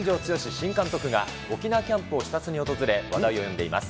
新監督が、沖縄キャンプを視察に訪れ、話題を呼んでいます。